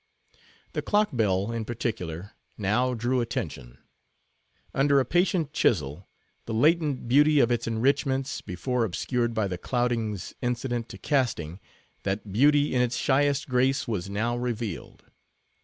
The clock bell, in particular, now drew attention. Under a patient chisel, the latent beauty of its enrichments, before obscured by the cloudings incident to casting, that beauty in its shyest grace, was now revealed.